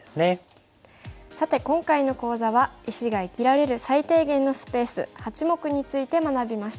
さて今回の講座は石が生きられる最低限のスペース８目について学びました。